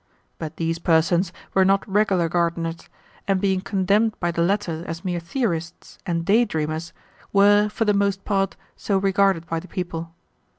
But these persons were not regular gardeners, and being condemned by the latter as mere theorists and day dreamers, were, for the most part, so regarded by the people.